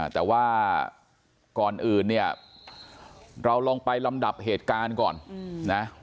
แต่ว่าก่อนอื่นเนี่ยเราลองไปลำดับเหตุการณ์ก่อนนะ